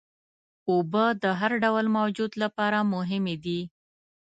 اوبه د هر ډول موجود لپاره مهمې دي.